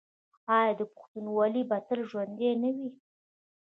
آیا پښتونولي به تل ژوندي نه وي؟